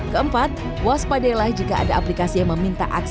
keempat waspadailah jika ada aplikasi yang meminta akses